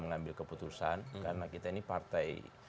mengambil keputusan karena kita ini partai